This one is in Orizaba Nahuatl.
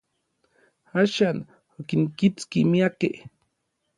Axan, okinkitski miakej.